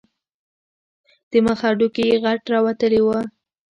د مخ هډوکي یې غټ او راوتلي دي.